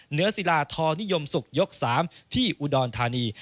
ศิลาทองนิยมศุกร์ยก๓ที่อุดรธานี